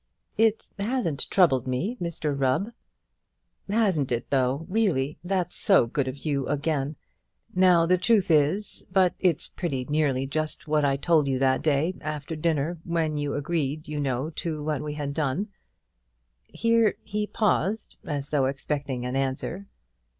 "It hasn't troubled me, Mr Rubb." "Hasn't it though, really? That's so good of you again! Now the truth is but it's pretty nearly just what I told you that day after dinner, when you agreed, you know, to what we had done." Here he paused, as though expecting an answer.